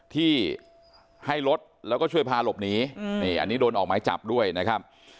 ที่ให้รถแล้วก็ช่วยพาหลบหนีนี่อันนี้โดนออกหมายจับด้วยนะครับ